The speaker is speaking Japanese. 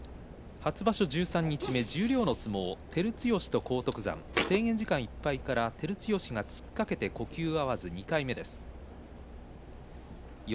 初場所十三日目十両の相撲、照強と荒篤山制限時間いっぱいから照強が引っ掛けて呼吸が合わず。